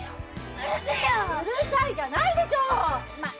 うるさいじゃないでしょ！